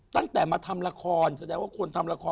ตั้งแต่มาทำละครแสดงว่าคนทำละคร